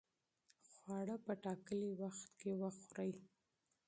خواړه په ټاکلي وخت کې وخورئ.